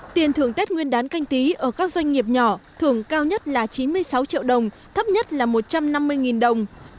tiền thưởng tết nguyên đán canh tí ở các doanh nghiệp nhỏ thưởng cao nhất là chín mươi sáu triệu đồng thấp nhất là một trăm năm mươi đồng